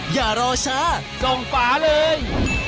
อย่ารอช้าส่งฝาเลย